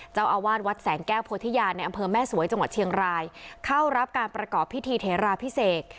เจ้าอาวาสวัดแสงแก้วโพธิญาณในอำเภอแม่สวยจังหวัดเชียงรายเข้ารับการประกอบพิธีเทราพิเศษ